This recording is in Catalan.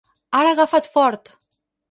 Ara agafa't fort!